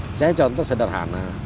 misalnya contoh sederhana